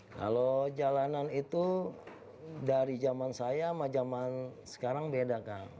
kalau jalanan itu dari zaman saya sama zaman sekarang bedakan